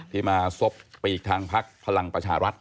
ที่มาซบปีกทางพักพลังประชารัฐ